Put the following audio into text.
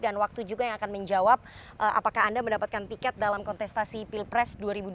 dan waktu juga yang akan menjawab apakah anda mendapatkan tiket dalam kontestasi pilpres dua ribu dua puluh empat